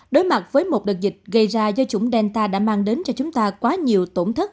đối mặt với một đợt dịch gây ra do chủng delta đã mang đến cho chúng ta quá nhiều tổn thất